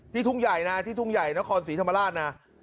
ทุ่งใหญ่นะที่ทุ่งใหญ่นครศรีธรรมราชนะ